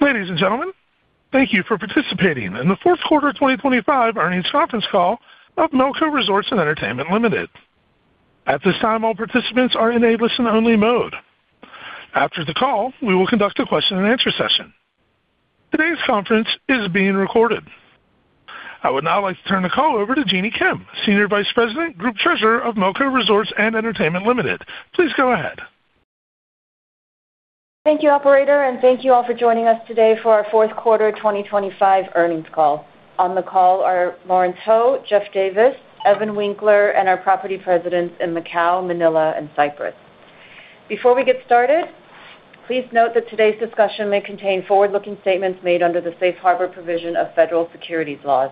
Ladies and gentlemen, thank you for participating in the Fourth Quarter of 2025 Earnings Conference Call of Melco Resorts & Entertainment Limited. At this time, all participants are in a listen-only mode. After the call, we will conduct a question-and-answer session. Today's conference is being recorded. I would now like to turn the call over to Jeanny Kim, Senior Vice President, Group Treasurer of Melco Resorts & Entertainment Limited. Please go ahead. Thank you, operator, and thank you all for joining us today for our Fourth Quarter 2025 Earnings Call. On the call are Lawrence Ho, Geoffrey Davis, Evan Winkler, and our property presidents in Macau, Manila, and Cyprus. Before we get started, please note that today's discussion may contain forward-looking statements made under the safe harbor provision of federal securities laws.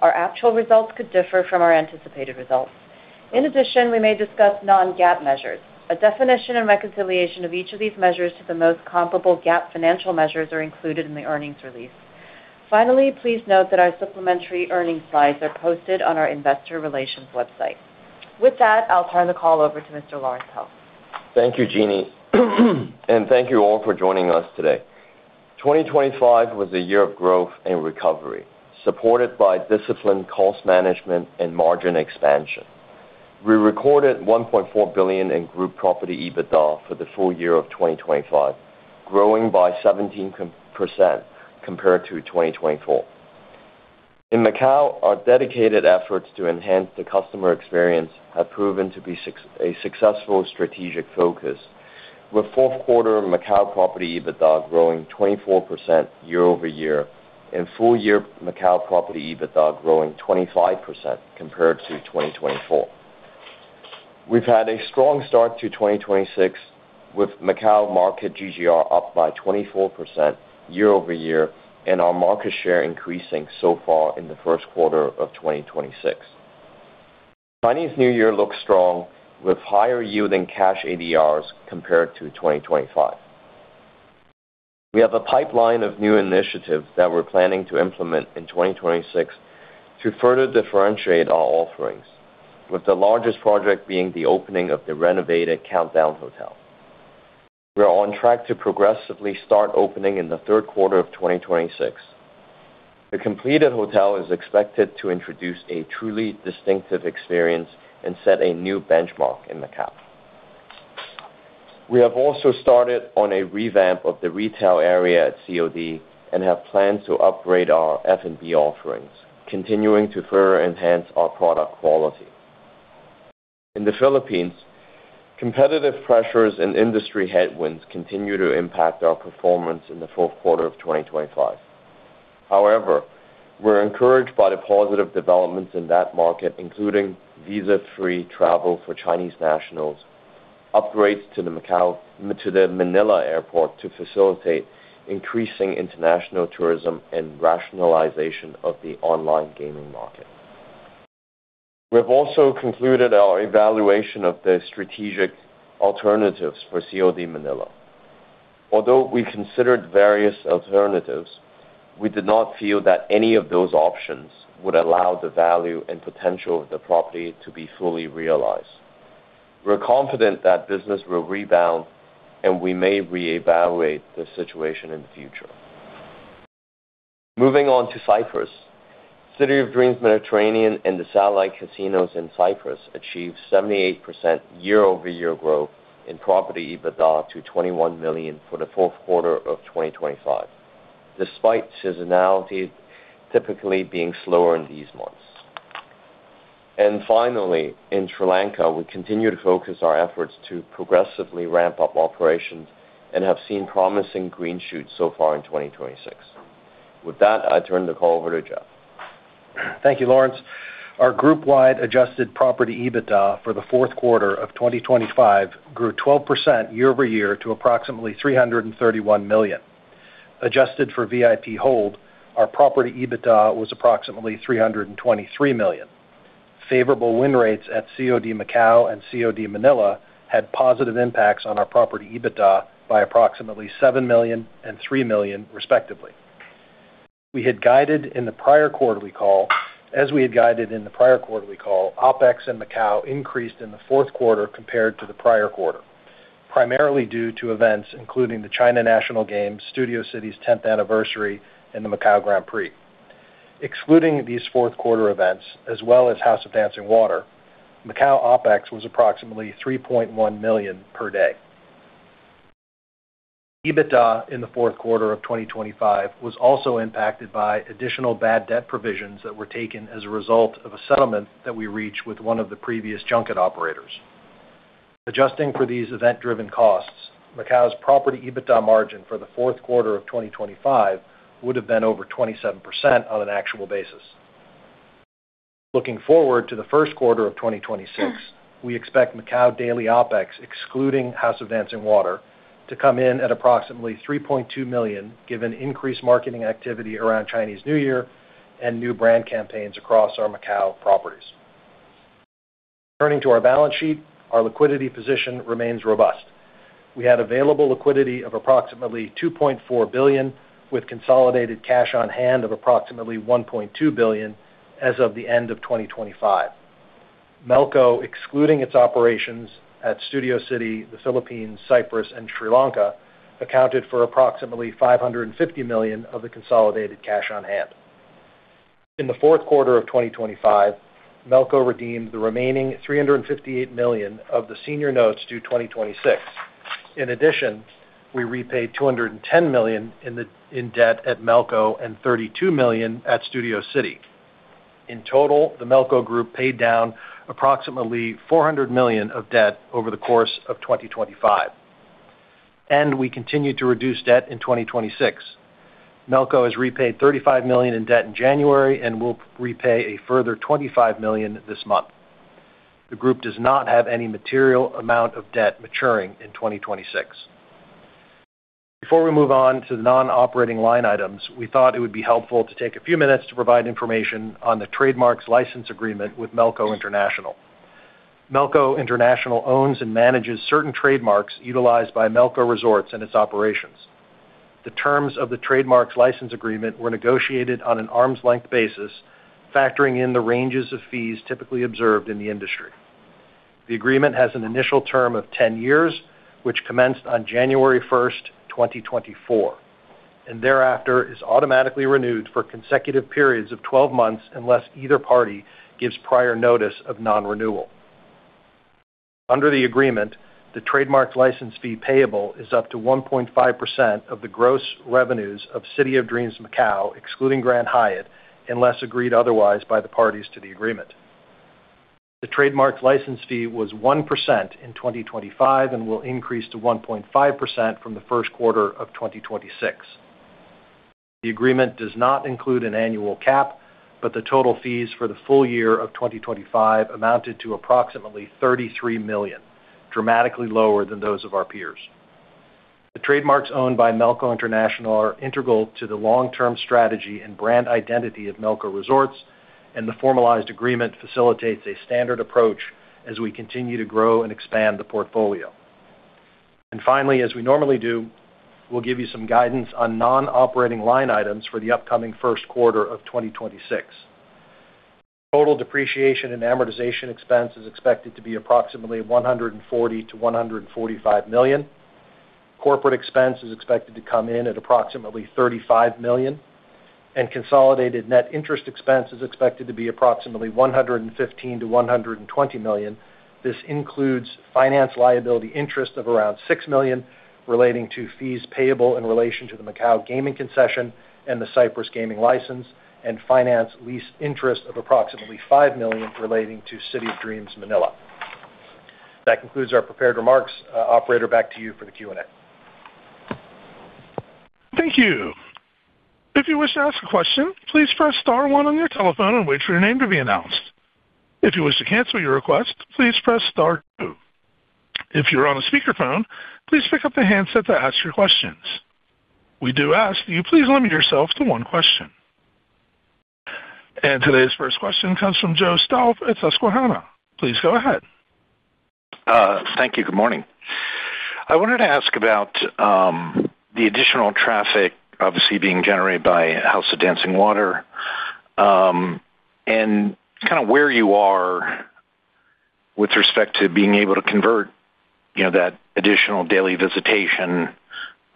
Our actual results could differ from our anticipated results. In addition, we may discuss non-GAAP measures. A definition and reconciliation of each of these measures to the most comparable GAAP financial measures are included in the earnings release. Finally, please note that our supplementary earnings slides are posted on our Investor Relations website. With that, I'll turn the call over to Mr. Lawrence Ho. Thank you, Jeanny, and thank you all for joining us today. 2025 was a year of growth and recovery, supported by disciplined cost management and margin expansion. We recorded $1.4 billion in group property EBITDA for the full year of 2025, growing by 17% compared to 2024. In Macau, our dedicated efforts to enhance the customer experience have proven to be a successful strategic focus, with fourth quarter Macau property EBITDA growing 24% year-over-year and full year Macau property EBITDA growing 25% compared to 2024. We've had a strong start to 2026, with Macau market GGR up by 24% year-over-year, and our market share increasing so far in the first quarter of 2026. Chinese New Year looks strong, with higher yielding cash ADRs compared to 2025. We have a pipeline of new initiatives that we're planning to implement in 2026 to further differentiate our offerings, with the largest project being the opening of the renovated Countdown Hotel. We are on track to progressively start opening in the third quarter of 2026. The completed hotel is expected to introduce a truly distinctive experience and set a new benchmark in Macau. We have also started on a revamp of the retail area at COD and have plans to upgrade our F&B offerings, continuing to further enhance our product quality. In the Philippines, competitive pressures and industry headwinds continue to impact our performance in the fourth quarter of 2025. However, we're encouraged by the positive developments in that market, including visa-free travel for Chinese nationals, upgrades to the Manila Airport to facilitate increasing international tourism, and rationalization of the online gaming market. We've also concluded our evaluation of the strategic alternatives for COD Manila. Although we considered various alternatives, we did not feel that any of those options would allow the value and potential of the property to be fully realized. We're confident that business will rebound, and we may reevaluate the situation in the future. Moving on to Cyprus. City of Dreams Mediterranean and the satellite casinos in Cyprus achieved 78% year-over-year growth in property EBITDA to $21 million for the fourth quarter of 2025, despite seasonality typically being slower in these months. And finally, in Sri Lanka, we continue to focus our efforts to progressively ramp up operations and have seen promising green shoots so far in 2026. With that, I turn the call over to Jeff. Thank you, Lawrence. Our group-wide adjusted property EBITDA for the fourth quarter of 2025 grew 12% year-over-year to approximately $331 million. Adjusted for VIP hold, our property EBITDA was approximately $323 million. Favorable win rates at COD Macau and COD Manila had positive impacts on our property EBITDA by approximately $7 million and $3 million, respectively. As we had guided in the prior quarterly call, OpEx in Macau increased in the fourth quarter compared to the prior quarter, primarily due to events including the China National Games, Studio City's 10th anniversary, and the Macau Grand Prix. Excluding these fourth quarter events, as well as House of Dancing Water, Macau OpEx was approximately $3.1 million per day. EBITDA in the fourth quarter of 2025 was also impacted by additional bad debt provisions that were taken as a result of a settlement that we reached with one of the previous junket operators. Adjusting for these event-driven costs, Macau's property EBITDA margin for the fourth quarter of 2025 would have been over 27% on an actual basis. Looking forward to the first quarter of 2026, we expect Macau daily OpEx, excluding House of Dancing Water, to come in at approximately $3.2 million, given increased marketing activity around Chinese New Year and new brand campaigns across our Macau properties. Turning to our balance sheet, our liquidity position remains robust. We had available liquidity of approximately $2.4 billion, with consolidated cash on hand of approximately $1.2 billion as of the end of 2025. Melco, excluding its operations at Studio City, the Philippines, Cyprus, and Sri Lanka, accounted for approximately $550 million of the consolidated cash on hand. In the fourth quarter of 2025, Melco redeemed the remaining $358 million of the senior notes due 2026. In addition, we repaid $210 million in debt at Melco and $32 million at Studio City. In total, the Melco Group paid down approximately $400 million of debt over the course of 2025, and we continued to reduce debt in 2026. Melco has repaid $35 million in debt in January and will repay a further $25 million this month. The group does not have any material amount of debt maturing in 2026. Before we move on to the non-operating line items, we thought it would be helpful to take a few minutes to provide information on the trademarks license agreement with Melco International. Melco International owns and manages certain trademarks utilized by Melco Resorts and its operations. The terms of the trademarks license agreement were negotiated on an arm's length basis, factoring in the ranges of fees typically observed in the industry. The agreement has an initial term of 10 years, which commenced on January 1, 2024, and thereafter is automatically renewed for consecutive periods of 12 months, unless either party gives prior notice of non-renewal. Under the agreement, the trademark license fee payable is up to 1.5% of the gross revenues of City of Dreams, Macau, excluding Grand Hyatt, unless agreed otherwise by the parties to the agreement. The trademark license fee was 1% in 2025 and will increase to 1.5% from the first quarter of 2026. The agreement does not include an annual cap, but the total fees for the full year of 2025 amounted to approximately $33 million, dramatically lower than those of our peers. The trademarks owned by Melco International are integral to the long-term strategy and brand identity of Melco Resorts, and the formalized agreement facilitates a standard approach as we continue to grow and expand the portfolio. And finally, as we normally do, we'll give you some guidance on non-operating line items for the upcoming first quarter of 2026. Total depreciation and amortization expense is expected to be approximately $140 million-$145 million. Corporate expense is expected to come in at approximately $35 million, and consolidated net interest expense is expected to be approximately $115 million-$120 million. This includes finance liability interest of around $6 million, relating to fees payable in relation to the Macau gaming concession and the Cyprus gaming license, and finance lease interest of approximately $5 million relating to City of Dreams Manila. That concludes our prepared remarks. Operator, back to you for the Q&A. Thank you. If you wish to ask a question, please press star one on your telephone and wait for your name to be announced. If you wish to cancel your request, please press star two. If you're on a speakerphone, please pick up the handset to ask your questions. We do ask that you please limit yourself to one question. Today's first question comes from Joe Stauff at Susquehanna. Please go ahead. Thank you. Good morning. I wanted to ask about the additional traffic, obviously, being generated by House of Dancing Water, and kind of where you are with respect to being able to convert, you know, that additional daily visitation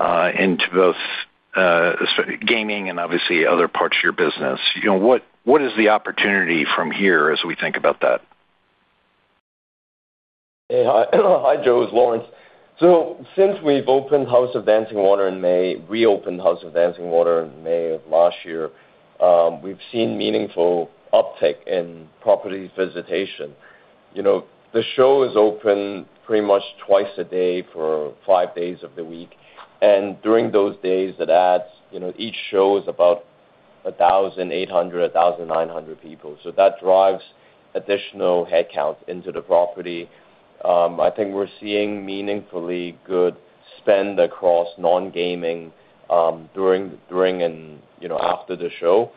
into both gaming and obviously other parts of your business. You know, what, what is the opportunity from here as we think about that? Hey, hi. Hi, Joe, it's Lawrence. So since we've opened House of Dancing Water in May, reopened House of Dancing Water in May of last year, we've seen meaningful uptick in property visitation. You know, the show is open pretty much twice a day for five days of the week, and during those days, it adds, you know, each show is about 1,800, 1,900 people. So that drives additional headcount into the property. I think we're seeing meaningfully good spend across non-gaming, during and, you know, after the show.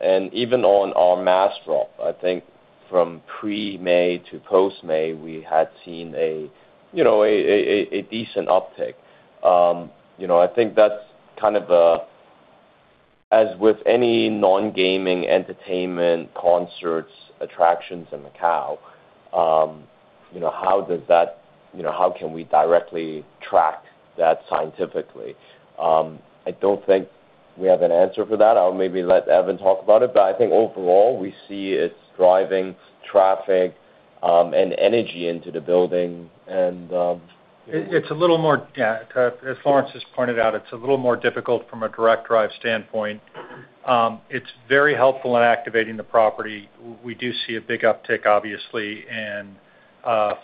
And even on our mass drop, I think from pre-May to post-May, we had seen a, you know, a decent uptick. I think that's kind of, as with any non-gaming entertainment, concerts, attractions in Macau, you know, how does that, you know, how can we directly track that scientifically? I don't think we have an answer for that. I'll maybe let Evan talk about it, but I think overall, we see it's driving traffic and energy into the building and, um. It's a little more difficult from a direct drive standpoint, as Lawrence just pointed out. It's very helpful in activating the property. We do see a big uptick, obviously, in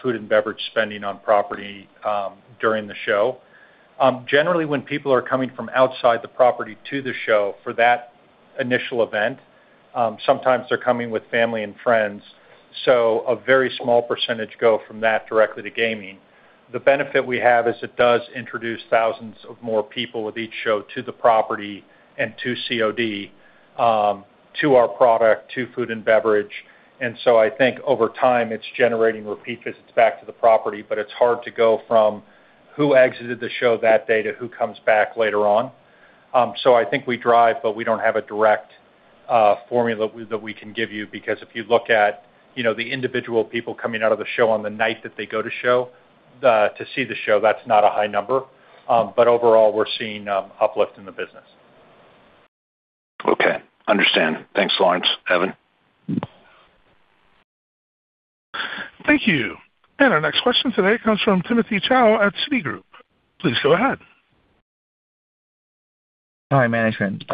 food and beverage spending on property during the show. Generally, when people are coming from outside the property to the show for that initial event, sometimes they're coming with family and friends, so a very small percentage go from that directly to gaming. The benefit we have is it does introduce thousands of more people with each show to the property and to COD to our product to food and beverage. And so I think over time, it's generating repeat visits back to the property, but it's hard to go from who exited the show that day to who comes back later on. So I think we drive, but we don't have a direct formula that we can give you, because if you look at, you know, the individual people coming out of the show on the night that they go to show to see the show, that's not a high number. But overall, we're seeing uplift in the business. Okay, understand. Thanks, Lawrence, Evan. Thank you. And our next question today comes from Timothy Chau at Citigroup. Please go ahead. Hi, management.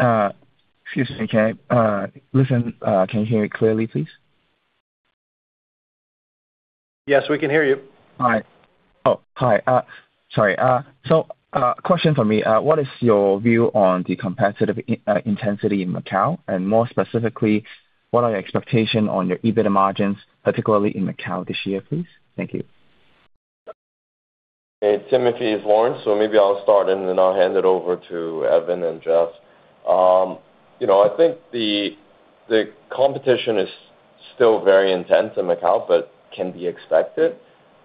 Excuse me, can I, listen, can you hear me clearly, please? Yes, we can hear you. All right. Oh, hi. Sorry, so question for me. What is your view on the competitive intensity in Macau? And more specifically, what are your expectation on your EBITDA margins, particularly in Macau this year, please? Thank you. Hey, Timothy, it's Lawrence. So maybe I'll start, and then I'll hand it over to Evan and Jeff. You know, I think the competition is still very intense in Macau, but can be expected.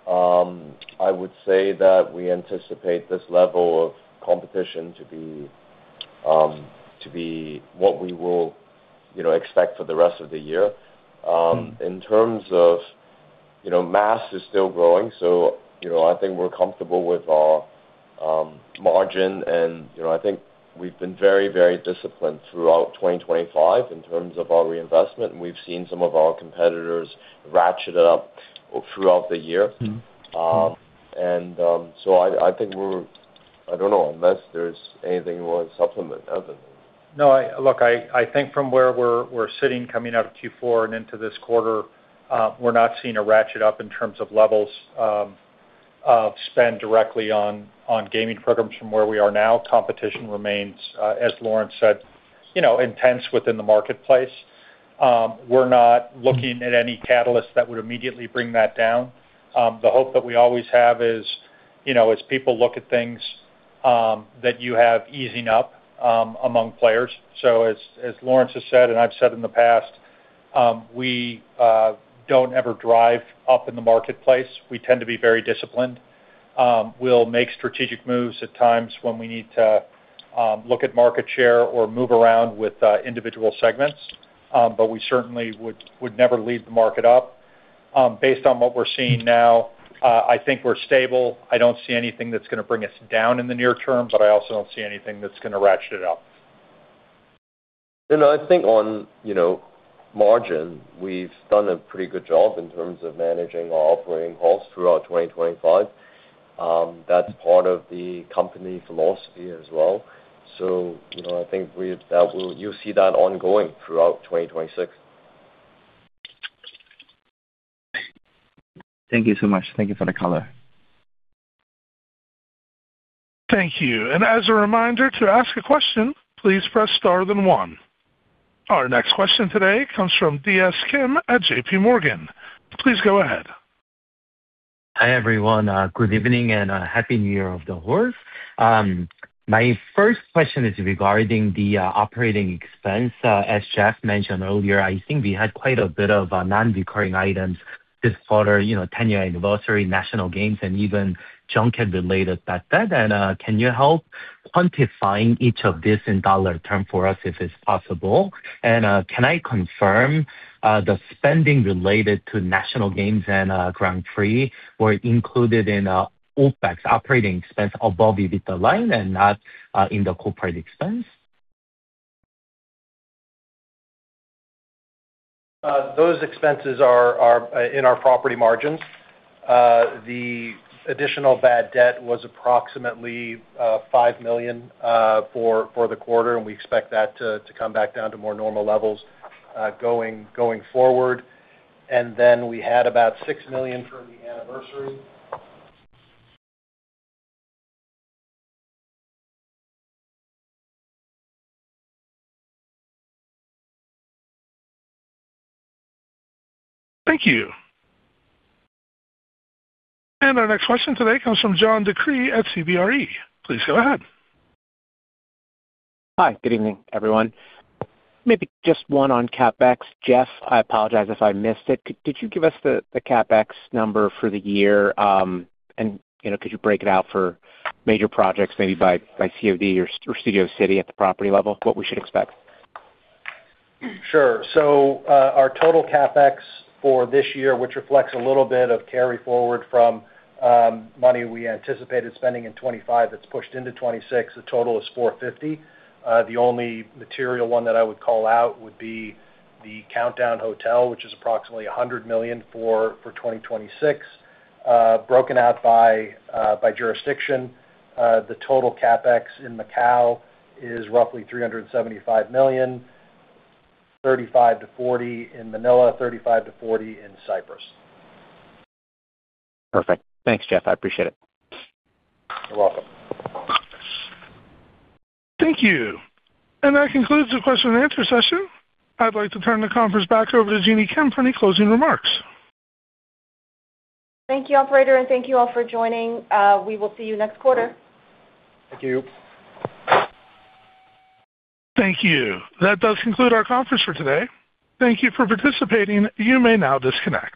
I would say that we anticipate this level of competition to be what we will, you know, expect for the rest of the year. In terms of, you know, mass is still growing, so, you know, I think we're comfortable with our margin, and, you know, I think we've been very, very disciplined throughout 2025 in terms of our reinvestment, and we've seen some of our competitors ratchet it up throughout the year. Mm-hmm. I think we're. I don't know, unless there's anything you want to supplement, Evan. No, look, I think from where we're sitting, coming out of Q4 and into this quarter, we're not seeing a ratchet up in terms of levels of spend directly on gaming programs from where we are now. Competition remains, as Lawrence said, you know, intense within the marketplace. We're not looking at any catalyst that would immediately bring that down. The hope that we always have is, you know, as people look at things, that you have easing up among players. So as Lawrence has said, and I've said in the past, we don't ever drive up in the marketplace. We tend to be very disciplined. We'll make strategic moves at times when we need to look at market share or move around with individual segments. But we certainly would never lead the market up. Based on what we're seeing now, I think we're stable. I don't see anything that's gonna bring us down in the near term, but I also don't see anything that's gonna ratchet it up. I think on, you know, margin, we've done a pretty good job in terms of managing our operating costs throughout 2025. That's part of the company philosophy as well. You know, I think we've, that will, you'll see that ongoing throughout 2026. Thank you so much. Thank you for the color. Thank you. As a reminder, to ask a question, please press star then one. Our next question today comes from DS Kim at JP Morgan. Please go ahead. Hi, everyone, good evening and, happy New Year of the Horse. My first question is regarding the, operating expense. As Jeff mentioned earlier, I think we had quite a bit of, non-recurring items this quarter, you know, 10-year anniversary, National Games, and even junket-related bad debt. And, can you help quantifying each of this in dollar term for us, if it's possible? And, can I confirm, the spending related to National Games and Grand Prix were included in OpEx, operating expense above EBITDA line and not, in the corporate expense? Those expenses are in our property margins. The additional bad debt was approximately $5 million for the quarter, and we expect that to come back down to more normal levels going forward. And then we had about $6 million for the anniversary. Thank you. And our next question today comes from John DeCree at CBRE. Please go ahead. Hi, good evening, everyone. Maybe just one on CapEx. Jeff, I apologize if I missed it. Did you give us the CapEx number for the year? You know, could you break it out for major projects, maybe by COD or Studio City at the property level, what we should expect? Sure. So, our total CapEx for this year, which reflects a little bit of carry-forward from money we anticipated spending in 2025, that's pushed into 2026, the total is $450 million. The only material one that I would call out would be the Countdown Hotel, which is approximately $100 million for 2026. Broken out by jurisdiction, the total CapEx in Macau is roughly $375 million, $35 million-$40 million in Manila, $35 million-$40 million in Cyprus. Perfect. Thanks, Jeff, I appreciate it. You're welcome. Thank you. That concludes the question-and-answer session. I'd like to turn the conference back over to Jeanny Kim for any closing remarks. Thank you, operator, and thank you all for joining. We will see you next quarter. Thank you. Thank you. That does conclude our conference for today. Thank you for participating. You may now disconnect.